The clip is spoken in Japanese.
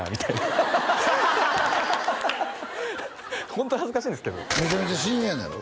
ハハハホント恥ずかしいんですけどめちゃめちゃ親友なんやろ？